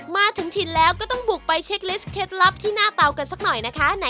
มาถึงถิ่นแล้วก็ต้องบุกไปเช็คลิสต์เคล็ดลับที่หน้าเตากันสักหน่อยนะคะ